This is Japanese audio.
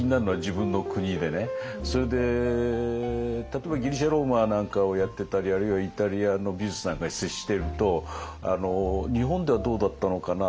例えばギリシャ・ローマなんかをやってたりあるいはイタリアの美術なんかに接していると日本ではどうだったのかな？